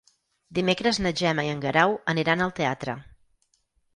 Dimecres na Gemma i en Guerau aniran al teatre.